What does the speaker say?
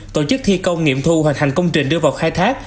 tổ chức thi công nghiệm thu hoàn thành công trình đưa vào khai thác